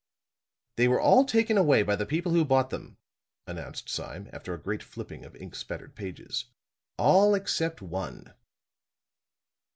"They were all taken away by the people who bought them," announced Sime, after a great flipping of ink spattered pages, "All except one."